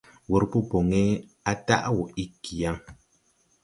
Wurpo boŋe á daʼ wɔ iggi yaŋ.